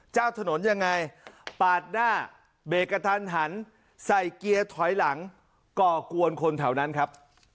เจ้าถนนยังไงปาดหน้าเบรกกระทันหันใส่เกียร์ถอยหลังก่อกวนคนแถวนั้นครับ